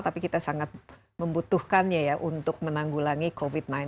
tapi kita sangat membutuhkannya ya untuk menanggulangi covid sembilan belas